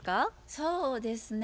そうですね